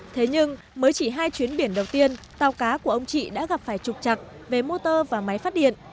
thế nhưng mới chỉ hai chuyến biển đầu tiên tàu cá của ông chị đã gặp phải trục chặt về motor và máy phát điện